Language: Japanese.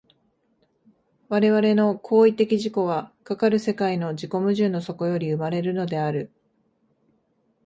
我々の行為的自己は、かかる世界の自己矛盾の底より生まれるのである。